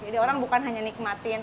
jadi orang bukan hanya nikmatin